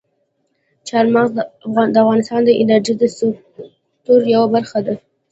چار مغز د افغانستان د انرژۍ د سکتور یوه برخه ده.